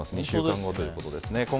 ２週間後ということですね。